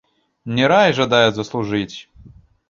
Не рай жадаю заслужыць.